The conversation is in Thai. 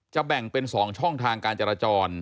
แบ่งเป็น๒ช่องทางการจราจร